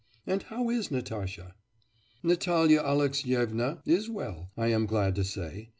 And how is Natasha?' 'Natalya Alexyevna is well, I am glad to say.